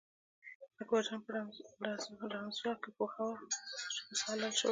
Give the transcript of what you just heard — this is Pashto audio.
اکبر جان په رمازه کې پوهوه چې پسه حلال شوی.